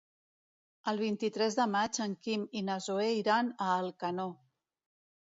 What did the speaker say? El vint-i-tres de maig en Quim i na Zoè iran a Alcanó.